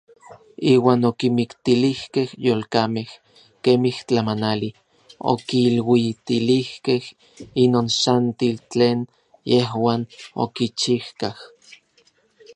Iuan okimiktilijkej yolkamej kemij tlamanali, okiluitilijkej inon xantil tlen yejuan okichijkaj.